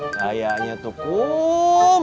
kayaknya tuh kum